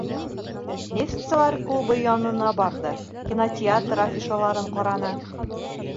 Нефтселәр клубы янына барҙы, кинотеатр афишаларын ҡараны.